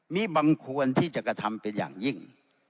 มีบำควรที่จะกระทำเป็นอย่างยิ่ง